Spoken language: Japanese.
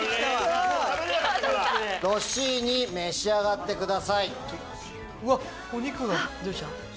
ロッシーニ召し上がってください。